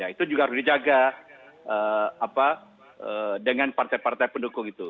itu juga harus dijaga dengan partai partai pendukung itu